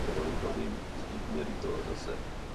Samci měli asi červené skvrny na křídlech.